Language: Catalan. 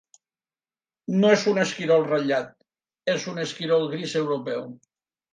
No és un esquirol ratllat: és un esquirol gris europeu.